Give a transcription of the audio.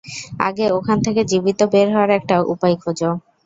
আগে, ওখান থেকে জীবিত বের হওয়ার একটা উপায় খোঁজো।